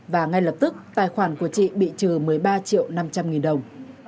và ngay lập tức tài khoản của chị bị trừ một mươi ba triệu năm trăm linh nghìn đồng